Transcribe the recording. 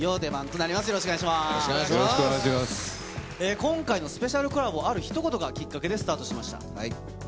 今回のスペシャルコラボ、あるひと言がきっかけでスタートしました。